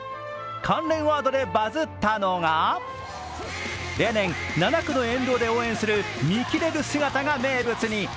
関連ワードでバズったのが例年、７区の沿道で応援する見切れる姿が名物に。